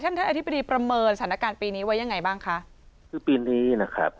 ท่านท่านอธิบดีประเมินสถานการณ์ปีนี้ไว้ยังไงบ้างคะคือปีนี้นะครับ